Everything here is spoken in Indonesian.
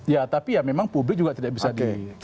ya tapi ya memang publik juga tidak bisa di